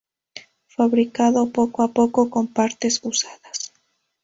Fabricado poco a poco con partes usadas.